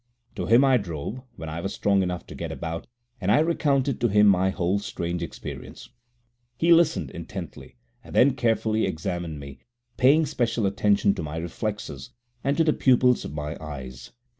To him I drove, when I was strong enough to get about, and I recounted to him my whole strange experience. He listened intently, and then carefully examined me, paying special attention to my reflexes and to the pupils of my eyes.